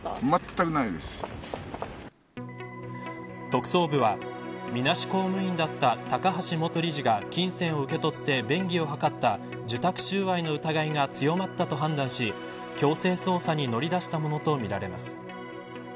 特捜部はみなし公務員だった高橋元理事が金銭を受け取って便宜を図った受託収賄の疑いが強まったと判断し強制捜査に乗り出したものとみられます。